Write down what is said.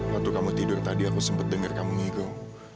waktu kamu tidur tadi aku sempat dengar kamu ngikum